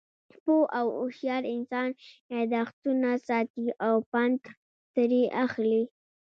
پوه او هوشیار انسان، یاداښتونه ساتي او پند ترې اخلي.